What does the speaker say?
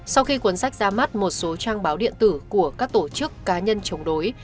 sau khi cuốn sách ra mắt một số trang báo điện tử của các tổ chức cá nhân chống đối